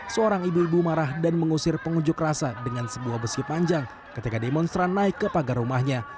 seorang ibu ibu marah dan mengusir pengunjuk rasa dengan sebuah besi panjang ketika demonstran naik ke pagar rumahnya